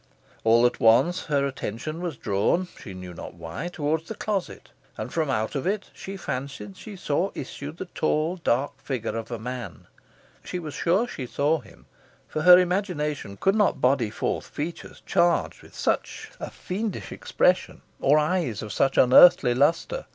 All at once her attention was drawn she knew not why towards the closet, and from out it she fancied she saw issue the tall dark figure of a man. She was sure she saw him; for her imagination could not body forth features charged with such a fiendish expression, or eyes of such unearthly lustre.